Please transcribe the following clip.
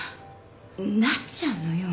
なっちゃうのよ。